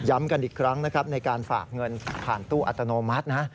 กันอีกครั้งนะครับในการฝากเงินผ่านตู้อัตโนมัตินะ